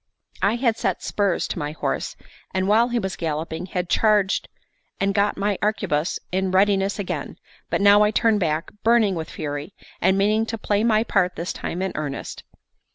I had set spurs to my horse, and while he was galloping, had charged and got my arquebuse in readiness again; but now I turned back, burning with fury, and meaning to play my part this time in earnest.